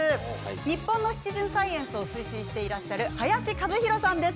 日本のシチズンサイエンスを推進していらっしゃる林和弘さんです。